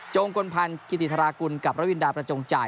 จงกลพันธ์กิติธารากุลกับประวินทรัพย์พระจงใจ